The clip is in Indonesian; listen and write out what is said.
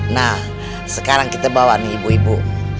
nah sekarang kita bawa nih ibu ibu